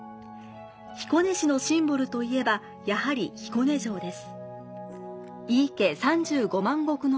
彦根市のシンボルといえば、やはり彦根城です。